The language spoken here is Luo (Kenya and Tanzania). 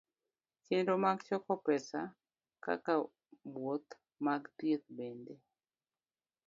Chenro mag choko pesa kaka wuoth mag thieth bende